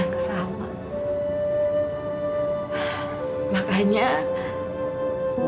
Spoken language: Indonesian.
bibi pasti akan mengharapkan yang sama